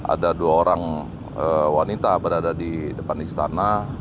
ada dua orang wanita berada di depan istana